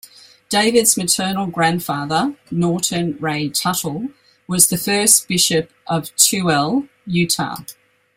David's maternal grandfather, Norton Ray Tuttle, was the first bishop of Tooele, Utah.